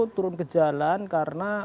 turun ke jalan karena